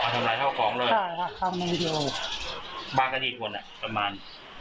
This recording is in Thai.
อ๋อทำลายข้าวของเลยใช่ค่ะทำหน่อยเดียวบ้านกันอีกคนอะประมาณ